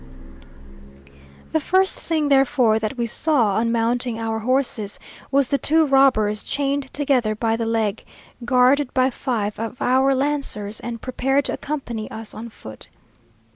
The first thing therefore that we saw, on mounting our horses, was the two robbers, chained together by the leg, guarded by five of our lancers, and prepared to accompany us on foot.